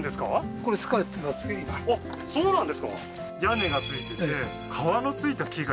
あっそうなんですか